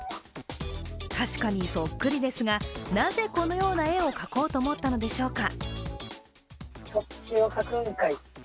確かにそっくりですが、なぜこの絵を描こうと思ったのでしょうか。